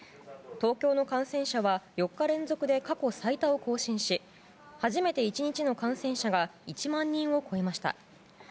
東京の感染者は４日連続で過去最多を更新し初めて１日の感染者が１万人を超えました。